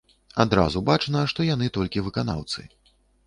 Адразу бачна, што яны толькі выканаўцы.